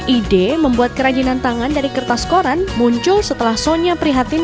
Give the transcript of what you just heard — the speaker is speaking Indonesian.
ide membuat kerajinan tangan dari kertas koran muncul setelah sonya prihatin